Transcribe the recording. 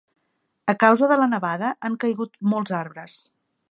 A causa de la nevada han caigut molts arbres.